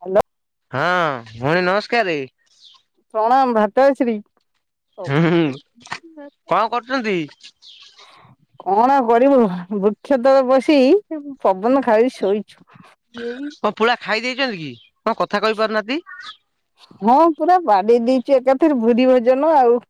Hello. ହଁ ଭଉଣୀ ନମସ୍କାରେ। ତଶ୍ରୀ, ହୁଁ ହୁଁ କଣ କରୁଛନ୍ତି? କଣ କରିବୁ ବୃକ୍ଷ ତଳେ ବସି ପବନ ଖାଇ ଶୋଇଛି କଣ ପୁଳା ଖାଇ ଦେଇେଇଛନ୍ତି କି? କଣ କଥା କହି ପାରୁନାହାନ୍ତି ହଁ ପୁରା ବାଡ଼େଇ ଦେଇ ଯେ ଏକାଥରେ ଭୁରି ଭୋଜନ ଆଉ।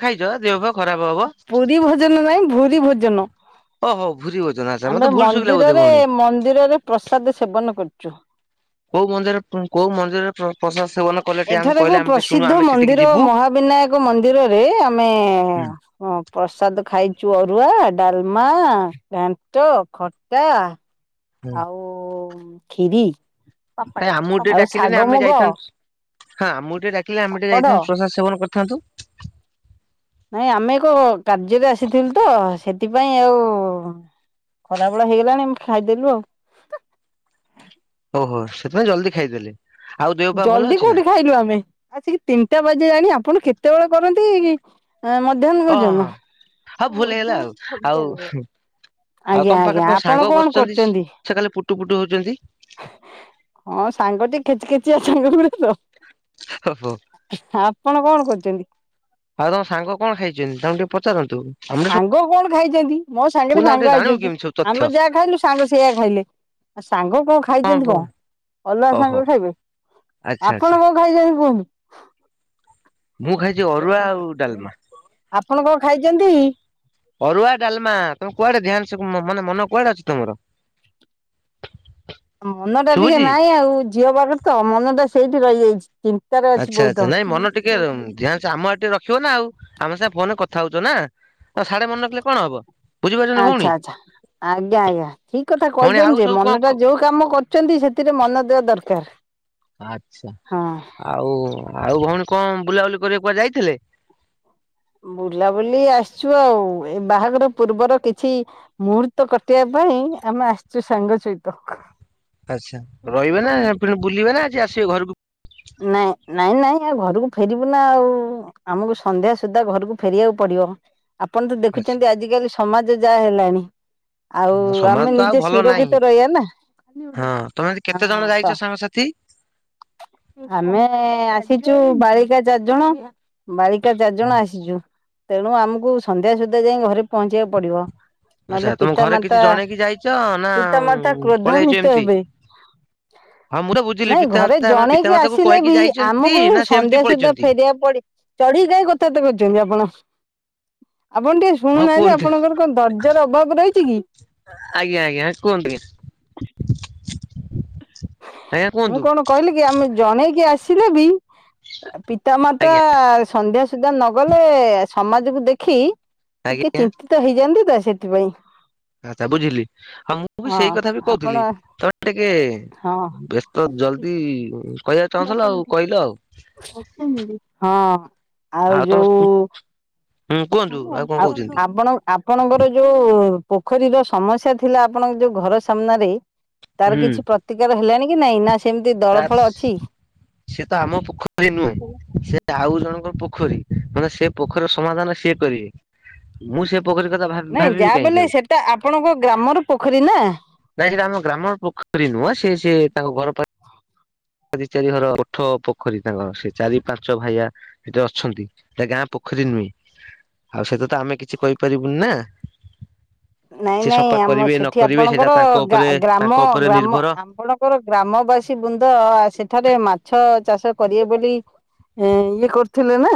ଖାଇଯା ଦେହ ଫେହ ଖରାପ ହବ। ପୁରୀ ଭୋଜନ ନାଇଁ ଭୁରି ଭୋଜନ ଓ ହଉ, ଆମେ ମନ୍ଦିରରେ ମନ୍ଦିରରେ ପ୍ରସାଦ ସେବନ କରୁଚୁ। କୋଉ ମନ୍ଦିର କୋଉ ମନ୍ଦିରରେ ପ୍ରସାଦ ସେବନ କରୁ ଏଠାରେ ଏକ ପ୍ରସିଦ୍ଧ ମନ୍ଦିର ମହାବିନାୟକ ମନ୍ଦିରରେ ଆମେ ଉମ ପ୍ରସାଦ ଖାଇଚୁ ଅରୁଆ, ଡାଲମା, ଘାଣ୍ଟ, ଖଟା ଆଉ ଖିରି। କାଇଁ ଆମକୁ ଟିକେ ଆଉ ଶାଗ ଡାକିଲେନି ଆମେ ମୁଗ ଯାଇଥାନ୍ତୁ ହାଁ ଆମକୁ ଟିକେ ଡାକିଲେ ଆମେ ଟିକେ ପାପଡ଼ ଯାଇଥାନ୍ତୁ ପ୍ରସାଦ ସେବନ କରି ଥାନ୍ତୁ, ନାଇଁ ଆମେ ଏକ କାର୍ଯ୍ୟରେ ଆସିଥିଲୁ ତ ସେଥିପାଇଁ ଆଉ। ଖରାବେେଳେ ହେଇଗଲାଣି ଆମେ ଖାଇଦେଲୁ ଆଉ। ଓହୋ ସେଥିପଇଁ ଜଲ୍ଦି ଖାଇଦେଲେ। ଆଉ ଦେହ ପା ଭଲ ଜଲ୍ଦି ଅଛି ନା? କୋଉଠି ଖାଇଲୁ ଆମେ ଆସିକି ତିନିଟା ବାଜିଲାଣି ଆପଣ କେତେବେଳେ କରନ୍ତି କି? ହଁ ମଧ୍ୟାହ୍ନ ଓହଁ ଭୋଜନ। ହଁ ହଁ ଭୁଲ ହେଇଗଲା ମଧ୍ୟାହ୍ନ ଆଉ ଆଉ ଭୋଜନକର। ଆଉ ଆଜ୍ଞା ତମ ପାଖରେ ଆଜ୍ଞା ତମ ଆପଣ ସାଙ୍ଗ କଣ ବସିଛନ୍ତି କରୁଚନ୍ତି। ସେ ଖାଲି ପୁଟୁ ପୁଟୁ ହଉଛନ୍ତି ହଁ ସାଙ୍ଗଟିକ କିଚ କିଚ ଝିଅ ସାଙ୍ଗଡ ତ। ଓହୋ। ଆପଣ କଣ କରୁଛନ୍ତି? ଆଉ ତମ ସାଙ୍ଗ କଣ ଖାଇଛନ୍ତି? ତାଙ୍କୁ ଟିକେ ପଚାରନ୍ତୁ ଆମର ସମୁସ ଖାଇଚନ୍ତି ମୋ ସାଙ୍ଗରେ ସାଙ୍ଗ ହେଇଚନ୍ତି ସବୁ ତଥ୍ୟ। ଆମେ ଯାହା ଖାଇନୁ ସାଙ୍ଗ ସେଇଆ ଖାଇଲେ। ସାଙ୍ଗ କଣ ହଁ ଖାଇଛନ୍ତି ବ କଣ? ଅଲଗା ସାଙ୍ଗ ଓହୋ ଖାଇବେ। ଆଚ୍ଛା ଆପଣ ଆଚ୍ଛା କଣ ଖାଇଛନ୍ତି କୁହନ୍ତୁ? ମୁଁ ଖାଇଛି ଚ ଅରୁଆ ଆଉ କୁହ ଡାଲମା। ଆପଣ କଣ ଖାଇଚନ୍ତି? ଅରୁଆ ଡାଲମା ତମେ କୁଆଡେ ଧ୍ୟାନ ସେ ମାନେ ମନ କୁଆଡେ ଅଛି ତମର। ମନଟା ଟିକେ ଶୁଭୁଛି? ନାଇଁ ଆଉ ଝିଅବାହାଘର ତ ମନଟା ସେଇଠି ରହିଯାଇଚି। ଆଚ୍ଛା ଆଚ୍ଛା ନାଇଁ ମନ ଟିକେ ଧ୍ୟାନସ ଆମ ଆଡେ ଟିକେ ରଖ। ସୁଅ ନା ଆଉ ଆମେ ସାଙ୍ଗେ ଫୋନରେ କଥା ହଉଚନା ସାଡେ ମନେ ରଖିଲେ କଣ ହବ। ବୁଝିପାରୁଚନା ଆଚ୍ଛା ଭଉଣୀ। ଆଚ୍ଛା। ଆଜ୍ଞା ଆଜ୍ଞା ଠିକ କଥା ଭଉଣୀ ଆଉ କହିଛନ୍ତି ଯେ। ସବୁ କଣ ମନଟା ଯୋଉ କାମ କରୁଚନ୍ତି ସେଥିରେ ମନ ଦେବା ଦର କାର ଆଚ୍ଛା ଆଉ ଆଉ ଭଉଣୀ କଣ ବୁଲାବୁଲି କରିବାକୁୁ କୁଆଡେ ଯାଇଥିଲେ? ବୁଲାବୁଲି ଆସିଛୁ ଆଉ। ଏ ବାହାଘର ପୂର୍ବର କିଛି ମୁହୂର୍ତ୍ତ କଟିବା ପାଇଁ ଆମେ ଆସଚୁ ସାଙ୍ଗ ସହିତ। ଆଚ୍ଛା ରହିବେ ନା ପୁଣି ବୁଲିବେ ନା ଆଜି ଆସିବେ ଘରକୁ। ନାଇଁ ନାଇଁ ନାଇଁ ଆଉ ଘରକୁ ଫେରିବୁ ନା ଆଉ। ଆମକୁ ସନ୍ଧ୍ୟା ସୁଦ୍ଧା ଘରକୁ ଫେରିବାକୁ ପ ଡିବ। ଆପଣ ତ ଆଚ୍ଛା ଦେଖୁଛନ୍ତି ଆଜିିକାଲି ସମାଜ ଯାହା ହେଲାଣି। ଆଉ ସମାଜ ଆମେ ତ ଆଉ ନିଜେ ଭଲ ନାହିଁ ସୁରକ୍ଷିତ ରଇବା ନା। ହଁ ତମେ ଏମତି କେତେ ଜଣ ଯାଇଚ ସାଙ୍ଗସାଥି? ହାନ ଆମେ ଆସିଚୁ ବାଳିକା ଚାରି ଜଣ। ବାଳିକା ଚାରି ଜଣ ଆସିଚୁ। ତେଣୁ ଆମକୁ ସନ୍ଧ୍ୟା ସୁଦ୍ଧା ଯାଇଙ୍କି ଘରେ ପହଞ୍ଚିବାକୁ ପଡିବ। ଆଚ୍ଛା ନହେଲେ ତମେ ଘରେ ପିତାମାତା କିଛି ଜଣେଇକି ଯାଇଛ ନା ପିତାମାତା ପଳେଇ ଯାଇଚ କ୍ରୋଧାନ୍ୱିତ ଏମତି? ହେବେ ହଁ ମୁଁର ବୁଝିଲି ନାଇଁ ପିତା ଘରେ ଆତା ପି ଜଣେଇକି ଆସିଲେ ବି ଆମକୁ ସନ୍ଧ୍ୟା ସୁଦ୍ଧା ପଳେଇଛନ୍ତି? ଫେରିବାକୁ ପଡି। ଚଢିକି କାଇଁ କଥାବାର୍ତ କରଚନ୍ତି ଆପଣ? ଆପଣ ଟିକେ ହଁ ଶୁଣୁନାହାନ୍ତି। କୁହନ୍ତୁ ଆପଣଙ୍କର କଣ ଧର୍ଜାର ଅଭାବ ରହିଛି କି? ଆଜ୍ଞା ଆଜ୍ଞା କୁହନ୍ତୁଟିକେ। ମୁଁ କଣ କହିଲିକି ଆମେ ଜଣେଇକି ଆସିଲେ ବି ପିତାମାତା ଆଜ୍ଞା। ସନ୍ଧ୍ୟା ସୁଦ୍ଧା ନଗଲେ ସମାଜକୁ ଦେଖି ଟିକେ ଆଜ୍ଞା ଚିନ୍ତିତ ହେଇଯାନ୍ତିତ ସେଥିପାଇଁ। ଆଚ୍ଛା ବୁଝିଲି ଆଉ ମୁଁ ବି ହଁ ସେଇକଥା ବି ଆପଣ କଉଥିଲି। ତ ଟିକେ ହଁ ବ୍ୟସ୍ତ ଜଲ୍ଦି କହିବାକୁ ଚାହୁଁଥିଲ ଆଉ କହିଲ ଆଉ। ହଁ ଆଉ ଯୋଉ ହୁଁ କୁହନ୍ତୁ ଆଉ କଣ କହୁଛନ୍ତି? ଆପଣ ଆପଣଙ୍କର ଯୋଉ ପୋଖରୀର ସମସ୍ୟା ଥିଲା ଆପଣଙ୍କ ଯୋଉ ଘର ସାମ୍ନାରେ ତାର କିଛି ପ୍ରତିକାର ହେଲାଣି କି? କି ନାଇଁ ନା? ସେମିତି ତ ଦଳ ଫଳ ଅଛି ସେିଏ ତ ଆମ ପୋଖରୀ ନୁହେଁ ସେ ଆଉ ଜଣ ପୋଖରୀ ମାନେ ସେ ପୋଖରୀର ସମାଧାନ ସିଏ କରିବେ ମୁଁ ସେ ପୋଖରୀ କଥା ଭାବି ନାଇଁ ଭାବିବି ଯାହା କାହିଁକି ବେଲେ ଆଉ ସେଟା ଆପଣଙ୍କ ଗ୍ରାମର ପୋଖରୀ ନା। ନାଇ ସେଟା ଆମ ଗ୍ରାମ ପୋଖରୀ ନୁହଁ ସେ ସେ ତାଙ୍କ ଘର ପାଇଁ ଚାରି ଚାରି ଘର ପଠ ପୋଖରୀ ତାଙ୍କର ସେ ଚାରି ପାଞ୍ଚ ଭାଇା ସେଠି ଅଛନ୍ତି ଗାଁ ପୋଖ ପୋଖରୀ ନୁଁ ଆଉ ସେତ ତ ଆମେ କିଛି କହିପାରିବୁନି ନା। ନାଇଁ ସେ ନାଇଁ ସଫା ଆମ କରିବେ ନ ସେଠି କରିବେ ସେଇଟା ଆପଣଙ୍କର ତାଙ୍କ ଗା ଉପରେ ତାଙ୍କ ଗ୍ରାମ ଉପରେ ଗ୍ରାମ ନିର୍ଭର ଆପଣଙ୍କର ଗ୍ରାମବାସୀ ବୃନ୍ଦ ସେଠାରେ ମାଛ ଚାଷ କରିବେ ବୋଲି ଏ ଇଏ କରଥିଲେ ନା।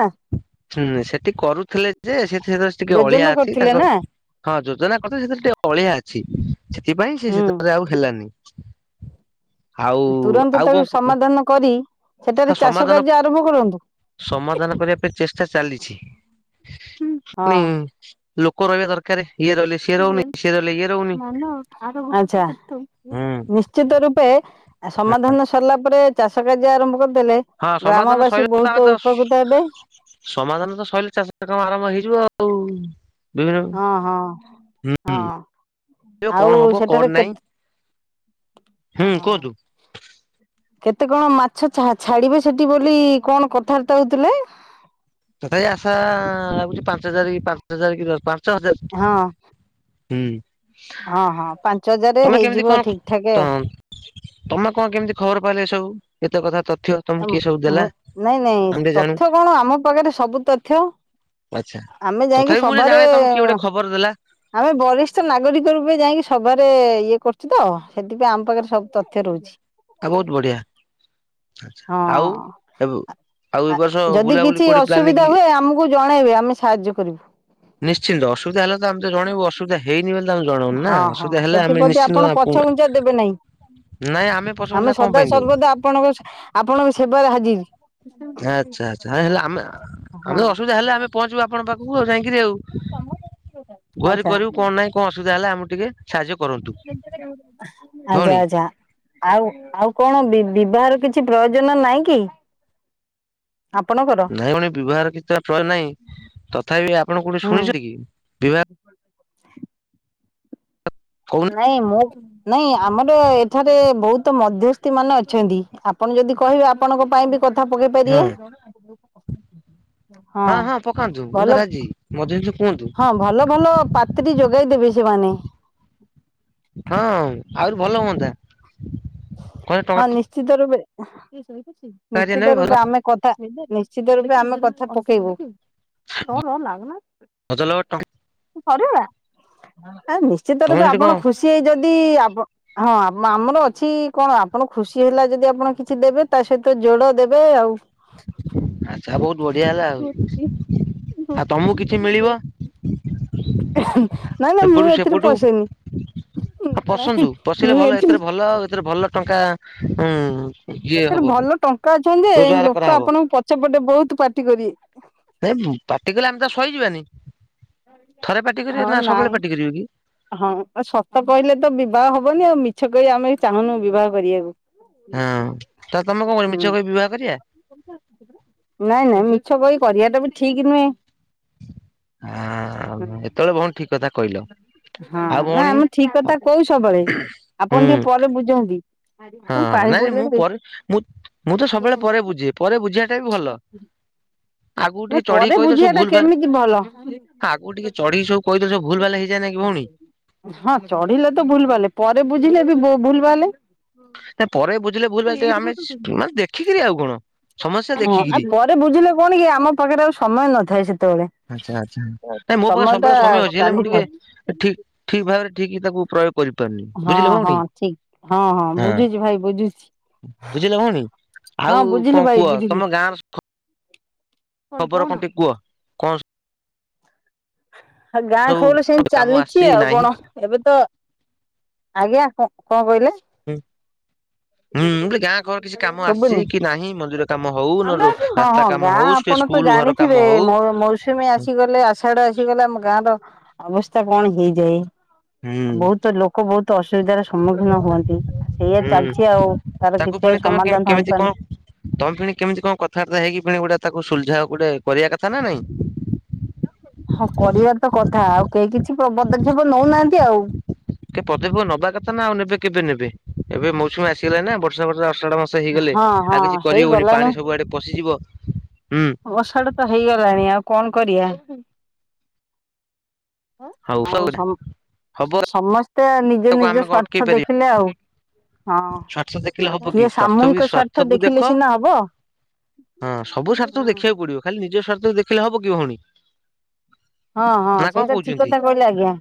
ହୁଁ ସେଠି କରୁଥିଲେ ଯେ ସେ ଟିକେ ଅଳିଆ ଯୋଜନା ଅଛି କରିଥିଲେ ତାଙ୍କ ନା ହଁ ଯୋଜନା କଥା ସେଥିରେ ଟିକେ ଅଳିଆ ଅଛି ସେଥିପାଇଁ ସେ ହୁଁ ସେଥିରେ ଆଉ ହେଲାନି। ଆଉ ତୁରନ୍ତ ଆଉ କଣ ତାକୁ କୁ ସମାଧାନ କରି ସେଠାରେ ଚାଷ ସମାଧାନ କାର୍ଯ୍ୟ ଆରମ୍ଭ କରନ୍ତୁ ସମାଧାନ କରିବା ପାଇଁ ଚେଷ୍ଟା ଚାଲିଛି ହଁ ପୁଣି ଲୋକ ରହିବା ଦରକାର। ଇଏ ସିଏ ରହିଲେ ରହୁନି ସିଏ ରହିଲେ ଇଏ ରହୁନି ଆଛା ହୁଁ ନିଶ୍ଚିତ ରୂପେ ସମାଧାନ ସରିଲା ପରେ ଚାଷ କାର୍ଯ୍ୟ ଆରମ୍ଭ କରି ହଁ ସମାଧାନ ସୋଇ ତାମେ ତ ହେବେ ସମାଧାନ ତ ସରିଲେ ଚାଷ କାମ ଆରମ୍ଭ ହେଇଯିବ ଆଉ। ବିଭିନ୍ନ ହଁ ହଁ ହଁ ହୁଁ କଣ ଆଉ ହବ କଣ ସେଠାରେ ନାହିଁ କେତେ ହୁଁ ହଁ କୁହନ୍ତୁ। କେତେ କଣ ମାଛ ଛାଡିବେ ସେଠି ବୋଲି କଣ କଥାବାର୍ତ୍ତା ହଉଥିଲେ? ତଥାପି ଆସା ଆଉୁଛି ପାଞ୍ଚ ହଜାର କି ପାଞ୍ଚ ହଜାର କି ପାଞ୍ଚ ହଜାର ହଁ ହୁଁ ହୁଁ। ହଁ ହଁ ପାଞ୍ଚ ହଜାର ହେଇଯିବ କଣ ଠିକ ଠାକ ଆଉ। ତ ତମେ କଣ କେମିତି ଖବର ପାଇଲେ ଏ ସବୁ ଏତେ କଥା ତ ମୁଁ ନାଇଁ ନାଇଁ ଟିକେ ଜାଣୁ ତଥ୍ୟ କଣ ଆମ ପାଖରେ ସବୁ ତଥ୍ୟ। ଆଚ୍ଛା ଆମେ ଯାଇକି ତଥାପି ମୁଁ ଟିକେ ସଭାରେ ଜାଣେ ତମକୁ କିଏ ଗୋଟେ ଖବର ଦେଲା ଆମେ ବରିଷ୍ଠ ନାଗରିକ ରୂପେ ଯାଇକି ସଭାରେ ଇଏ କରୁଛି ତ ସେଥିପାଇଁ ଆମ ପାଖରେ ସବୁ ତଥ୍ୟ ରହୁଛି। ଆ ବହୁତ ବଢିଆ ହଁ ଅଚ୍ଛା ଆଉ ଏବ ଯଦି କିଛି ଅସୁବିଧା ହୁଏ ଆମକୁ ଜଣେଇବେ ଆମେ ସାହାଯ୍ୟ କରିବୁ। ନିଶ୍ଚିତ ଅସୁବିଧା ହେଲେ ତ ଆମ ତ ଜଣେଇବୁ ଅସୁବିଧା ହେଇନି ବୋଲି ତ ଆମେ ଜଣଉନୁ ନା ହଁ ହଁ ଅସୁବିଧା ହେଲେ ଆମେ ଆପ ସେଥିପ୍ରତି ଆପଣ ନିଶ୍ଚିନ୍ତ ପଛଘୁଞ୍ଚା ଦେବେ ନାହିଁ। ନାଇଁ ଆମେ ପ୍ରଶଂସା ଆମେ କଣ ସଦା ପାଇଁ ଦବୁ ସର୍ବଦା ଆପଣଙ୍କ ଆପଣଙ୍କ ସେବାରେ ହାଜିର। ଆଚ୍ଛା ଆଚ୍ଛା ହେଲେ ଆମେ ହଁ ଆମେ ଅସୁବିଧା ହେଲେ ଆମେ ପହଞ୍ଚିବୁ ଆପଣଙ୍କ ପାଖ ହଉ ଯାଇକିରି ଆଉ ଗୁହାରି ଆଚ୍ଛା କରିବୁ କଣ ନାହିଁ କଣ ଅସୁବିଧା ହେଲା ଆମେ ଟିକେ ସାହାଯ୍ୟ କରନ୍ତୁ ଆଛା ଭଉଣୀ ଆଛା ଆଉ ଆଉ କଣ ବିବାହର କିଛି କିଛି ପ୍ରୟୋଜନ ନାଇଁ କି? ଆପଣଙ୍କର? ନାଇଁ ପୁଣି ବିବାହର କିଛି ପ୍ରୟ ନାହିଁ ତଥାପି ଆପଣ କୋଉଠି ହୁଁ। ଶୁଣିଛେ କି ବିବାହ କହୁନ ନାଇଁ ମୁଁ ନାଇଁ ଆମର ଏଠାରେ ବହୁତ ତ ମଧ୍ୟସ୍ଥି ମାନେ ଅଛନ୍ତି ଆପଣ ଯଦି କହିବେ ଆପଣଙ୍କ ପାଇଁ ବି କଥା ପକେଇ ହଁ ପାରିବା। ହଁ ହଁ ପକାନ୍ତୁ ମୁଁ ତ ରାଜି ମଧ୍ୟ ହଁ ଭଲ ଭଲ ପାତ୍ରି ଯୋଗାଇ ଦେବେ ସେମାନେ। ହଁ ଆହୁରି ଭଲ ହୁଅନ୍ତା। କହିଲେ ହଁ ଟଙ୍କା ନିଶ୍ଚିତ ରୂପେ ନିଶ୍ଚିତ ନେବେ ଭଲ ରୂପେ ଆମେ କଥା ନିଶ୍ଚିତ ରୂପେ ଆମେ କଥା ପକେଇବୁ [unintelligible] ଭଜଲ ଆ ନିଶ୍ଚିତ ତମେ ରୂପେ ସେଠି କଣ ଆପଣ ଖୁସି ହେଇ ଯଦି ଆ ହଁ ଆମର କିଛି କଣ ଆପଣ ଖୁସି ହେଲା ଯଦି ଆପଣ କିଛି ଦେବେ ତା ସହିତ ଯୋଡ଼ ଦେବେ ଆଉ। [inaudible] ଆ ବହୁତ ବଢିଆ ହେଲା ଆଉ ଆଉ ତମକୁ କିଛି ମିଳିବ? ନାଇଁ ନାଇ ମୁଁ ଏପଟୁ ଏଥିରେ ସେପଟୁ ପସେନି। ହଁ ପଶନ୍ତୁ ପଶିଲେ ଭଲ ଏଥିରେ ଭଲ ଆ ଏଥିରେ ଭଲ ଟଙ୍କା ଉଁ ଇଏ ଏଥିରେ ହବ ଭଲ ଟଙ୍କା ଅଛନ୍ତି ଯେ ଏ ରୋଜଗାର ଲୋକ କରାହବ ଆପଣଙ୍କୁ ପଛେ ପଟେ ବହୁତ ପାର୍ଟି କରିବେ। ନାଇଁ ପାଟି କଲେ ଆମେ ତ ସହିଯିବାନି। ଥରେ ପାଟି କରିବେ ହଁ ନା ସବୁବେଳେ ନାଇଁ ପାଟି କରିବେ କି ହଁ ସତ କହିଲେ ତ ବି ବିବାହ ହବନି ଆଉ ମିଛ କରି ଆମେ ଚାହୁନୁ ବିବାହ କରିବାକୁ। ହଁ ତ ତମେ କଣ କରିବ ହୁଁ ମିଛ କହି ବିବାହ କରିବା। ନାଇଁ ନାଇଁ ମିଛ ବହି କରିବା ଟା ବି ଠିକ ନୁହେଁ ହଁ ହୁଁ। ଏତେବେଳେ ଭଉଣୀ ଠିକ କଥା କହିଲ। ହଁ ଆଉ ନା ଭଉଣୀ ଆମେ ଠିକ ଆ କଥା କହୁ ସବୁବେଳେ ହୁଁ ଆପଣ ଟିକେ ପରେ ବୁଝନ୍ତି। ହଁ ପାଣି ନାଇଁ ନାଇଁ, ପଇଲେ ମୁଁ ପରେ ମୁଁ, ମୁଁ ତ ସବୁବେଳେ ପରେ ବୁଝେ ପରେ ବୁଝିବାଟା ବି ଭଲ। ଆଗକୁ ନାଇଁ ଟିକେ ଚଢେଇି ପରେ କହିଦ ବୁଝିବା ସବୁ ଟା ଭୁଲ ଭାଲ କେମିତି ଭଲ। ଆଗକୁ ଟିକେ ଚଢିକିବୁ କହିଦେ ସବୁ ଭଲ ଭଲ ହେଇଯାଇ କି ଭଉଣୀ। ହଁ ଚଢିଲେ ତ ଭୁଲ ବାଲେ ପରେ ବୁଝିଲେ ବି ବ ଭୁଲ ଭାଲେ। ନା ପରେ ବୁଝିଲେ ଭୁଲ ଭ ଆମେ ମାନେ ଦେଖିକିରି ଆଉ କଣ? ସମସ୍ୟା ହଁ ଦେଖିକିରି ଆଉ ପରେ ବୁଝିଲେ କଣ କି ଆମ ପାଖରେ ଆଉ ସମୟ ନଥାଏ। ସେତେବେଳେ ଆଚ୍ଛା ଆଚ୍ଛା ନାଇଁ ମୋ ପାଖରେ ସମୟ ଟା ସବୁବେଳେ ସମୟ ଅଛି। ହେଲେ ମୁଁ ଟିକେ ଚାଲିଥାଏ। ଠିକ ଠିକ ଭାବ ଠିକ୍ ତାକୁ ପ୍ରୟୋଗ କରିପାରୁନି ହଁ ବୁଝିଲେ ହଁ ଭଉଣୀ ଠିକ ହଁ ହଁ ବୁଝୁଛି ଭାଇ ବୁଝୁଛି! ବୁଝିଲେ ଭଉଣୀ ହଁ ଆଉ ବୁଝିଲୁ କଣ ଭାଇ କୁହ ବୁଝିଲୁ ତମ ଗାଁର ଖବର କଣ ଟ କୁହ କଣ? ଆ ଗାଁ ସବୁ ଖାଉଲେ ସେମିତି କାମ ଚାଲିଛି ଆସିଛି ଆଉ ନାହିଁ। କଣ ଏବେ ତ ଆଜ୍ଞା କଣ କହିଲେ? ହୁଁ! ହୁଁ ବୋଲେ ଗାଁ ଘର କିଛି କାମ ଶୁଭୁନି। ଆସିଛି କି ନାହିଁ ମନ୍ଦିର କାମ ହଉ ନ ହଁ ରାସ୍ତା ହଁ କାମ ଗାଁ ହଉ ଟ ଆପଣ ତ ସ୍କୁଲ ଘର ଜାଣିଥିବେ କାମ ହଉ ସେଟେ ଆସିଗଲେ ଆମ ଗାଁ ର ଅବସ୍ଥା କଣ ହେଇଯାଏ। ହୁଁ। ବହୁତ ଲୋକ ବହୁତ ଅସୁବିଧାର ସମ୍ମୁଖୀନ ହୁଅନ୍ତି ସେଇଆ ହୁଁ। ଚାଲିଛି ଆଉ ତାର ତାକୁ କିଛି ଆଉ ପୁଣି ତମେ କେମ ସମାଧାନ କେମିତି ହେଇପାରୁନି। କଣ ତମେ ପୁଣି କେମିତି କଣ କଥାବାର୍ତା ହେଇକିଣି ଗୋଟେ ତାକୁ ସୁଲଝାଅ ଗୋଟେ କରିବା କଥା ନା ନାଇଁ ହଁ କରିବା ତ କଥା ଆଉ କେହି କିଛି ନଉନାହାନ୍ତି ଆଉ କି ପଦୀପ ନବା କଥା ନା ଆଉ ନେବେ କେବେ ନେବେ ଏବେ ମୌସୁମୀ ଆସିଗଲା ନା ବର୍ଷା ବର୍ଷା ଅଷାଢ ମାସ ହେଇଗଲେ ହଁ ହଁ ଆଉ କିଛି କରିହବନି ପାଣି ସବୁଆଡେ ପଶିଯିବ। ହୁଁ ଆଷାଢ଼ ତ ହେଇଗଲାଣି ଆଉ କଣ କରିବା। ହଉ ଆଉ ହଉ ହବ ସମସ୍ତେ ତେ ନିଜ ତାକୁ ନିଜ ଆମେ କଣ ଅଟକେଇ ସ୍ୱାର୍ଥ ପାରିବା ଦେଖିଲେ ଆଉ! ସ୍ୱାର୍ଥ ଦେଖିଲେ ହବ ହଁ କି କିଏ ସ୍ୱାର୍ଥ ବି ସାମୂହିକ ସ୍ଵାର୍ଥ ସ୍ୱାର୍ଥକୁ ଦେଖ ଦେଖିଲେ ସିନା ହବ ହଁ ସବୁ ସ୍ୱାର୍ଥକୁ ଦେଖିବାକୁ ପଡିବ ଖାଲି ନିଜ ସଵାର୍ଥକୁ ଦେଖେଇିଲେ ହବ କି ଭଉଣୀ? ହଁ ହଁ ନା କଣ ସେଇଟା ଠିକ କହୁଛନ୍ତି? କଥା କହିଲେ ଆଜ୍ଞା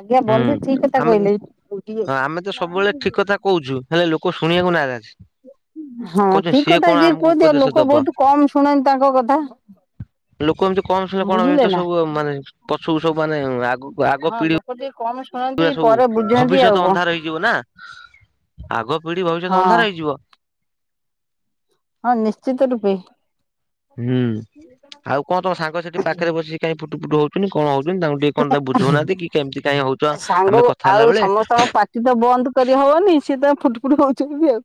ଆଜ୍ଞା ବନ୍ଧୁ ଠିକ କଥା କହିଲେ ଆମେ ତ ସବୁବେଳେ ଠିକ କଥା କହୁଛୁ, ହେଲେ ଲୋକ ଶୁଣିବାକୁ ନାରାଜ ହଁ କହୁଛନ୍ତି ଠିକ ସିଏ କଥା କଣ ଯିଏ ଆମକୁ କୁହନ୍ତି, ଆଉ ଉପଦେଶ ଲୋକ ଦବ ବହୁତ କମ ଶୁଣନ୍ତି ତାଙ୍କ କଥା। ଲୋକ ଏମିତି କମ ସଲେ କଣ ବୁଝିଲେ ଏମିତି ନା ସବୁ ମାନେ ପଶୁକୁ ସବୁ ମାନେ ହଁ ଲୋକ ଯିଏ କମ୍ ପୁରା ସବୁ ଭବିଷ୍ୟତ ଅନ୍ଧାର ହେଇଯିବ ନା। ଆଗ ପିଢି ଭବିଷ୍ୟତ ହଁ ଅନ୍ଧାର ହେଇଯିବ। ହଁ ନିଶ୍ଚିତ ରୂପେ। ହୁଁ ଆଉ କଣ ତମ ସାଙ୍ଗ ସେଠି ପାଖରେ ବସିକ କାଇଁ ଫୁଟୁ ଫୁଟୁ ହଉଚନି କଣ ହଉ ଛନ୍ତି ତାଙ୍କୁ ଟିକେ କଣ ତା ବୁଝଉନାହାନ୍ତି କି? କେମିତି କାହିଁ ହଉଛ ସାଙ୍ଗ ଆମେ କଥା ହେଲା ବେଳେ। କୁହନି ସିଏ ତାଙ୍କ ଫୁଟ ଫୁଟ ହଉଛନ୍ତି ଆଉ।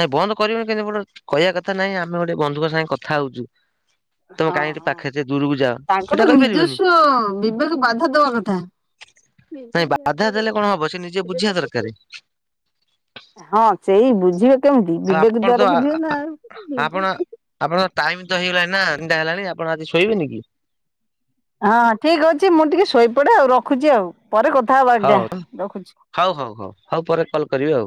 ନାଇଁ ବନ୍ଦ କରିବୁନି କେମିତି ଗୋଟେ କହିବା କଥା ନାଇଁ ଆମେ ଗୋଟେ ବନ୍ଧୁଙ୍କ ସାଙ୍ଗେ କଥା ହଉଛୁ। ତମେ ହଁ କାହିଁକି ଏଠି ହଁ ପାଖେ ଯେ ଦୂରକୁ ଯାଅ ତାଙ୍କର ସେଟା କହିପାରିବନି। ନିଜସ୍ୱ ବିବେକ ବାଧା ଦବା କଥା ନାଇଁ ବାଧା ଦେଲେ କଣ ହବ ସେ ନିଜେ ବୁଝିବା ଦରକାରେ। ହଁ ସେଇ ବୁଝିବେ। କେମତି ଆଉ ବିବେକ ଆପଣ ତ ଦ୍ଵାରା ବୁଝିବେ ନା ଆପଣ ଆଉ। ଆପଣଙ୍କ ଟାଇମ ତ ହେଇଗଲାଣି ନା ତିନ ଟା ହେଲାଣି ଆପଣ ଆଜି ଶୋଇବେନି କି? ହଁ ଠିକ ଅଛି ମୁଁ ଟିକେ ଶୋଇପଡେ ଆଉ ରଖୁଛି ଆଉ। ପରେ କଥା ହବ ଆଜ୍ଞା ହଉ ରଖୁଛି। ହଉ ହଉ ହଉ ହଉ ପରେ କଲ୍ କରିବି ଆଉ।